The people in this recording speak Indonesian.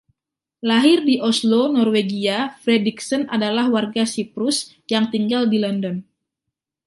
Lahir di Oslo, Norwegia, Fredriksen adalah warga Siprus yang tinggal di London.